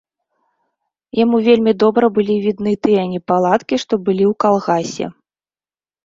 Яму вельмі добра былі відны тыя непаладкі, што былі ў калгасе.